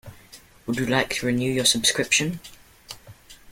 Would you like to renew your subscription?